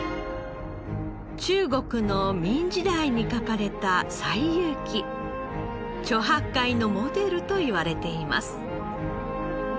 中国の明時代に描かれた『西遊記』猪八戒のモデルといわれています。